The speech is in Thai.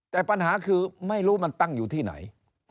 แต่ปัญหาคือไม่รู้มันตั้งอยู่ที่ไหน